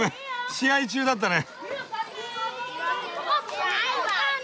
試合中だったね！